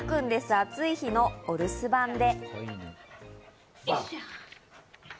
暑い日のお留守番で。